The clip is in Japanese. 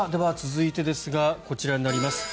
では、続いてですがこちらになります。